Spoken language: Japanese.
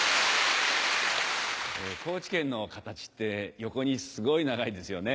高知県の形って横にすごい長いですよね。